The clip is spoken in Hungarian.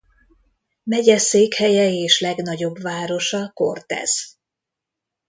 Megyeszékhelye és legnagyobb városa Cortez.